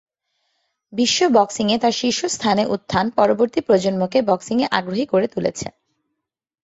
বিশ্ব বক্সিং-এ তার শীর্ষ স্থানে উত্থান পরবর্তী প্রজন্মকে বক্সিং-এ আগ্রহী করে তুলেছে।